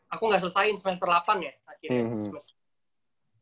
aku gak selesain semester delapan ya akhirnya semester delapan